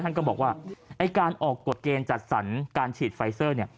ท่านก็บอกว่าการออกกรุศเกณฑ์จัดสรรการฉีดไฟเซอร์